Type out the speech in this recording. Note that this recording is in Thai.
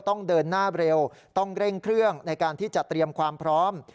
ต้องเดินหน้าเร็วต้องเร่งเครื่องในการที่จะเตรียมความพร้อม